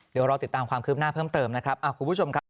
เดี๋ยวรอติดตามความคืบหน้าเพิ่มเติมนะครับ